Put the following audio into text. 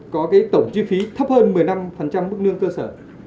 có cái tổng chi phí thấp hơn một mươi năm mức nương cơ sở